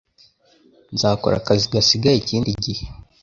Nzakora akazi gasigaye ikindi gihe